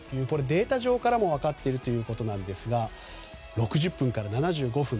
データ上からも分かっているということですが６０分から７５分